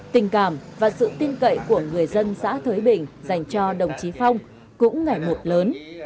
tình cảm và sự tin cậy của người dân xã thới bình dành cho đồng chí phong cũng ngày một lớn